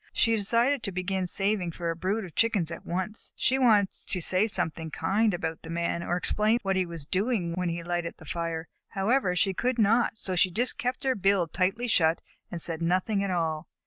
She decided to begin saving for a brood of Chickens at once. She wanted to say something kind about the Man, or explain what he was doing when he lighted that fire. However, she could not, so she just kept her bill tightly shut and said nothing at all.